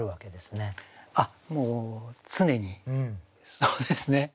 もう常にそうですね。